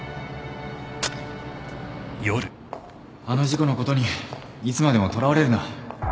あの事故のことにいつまでもとらわれるな